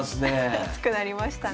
熱くなりましたね。